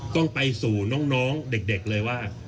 ต้องไปสู่น้องเด็กเลยว่า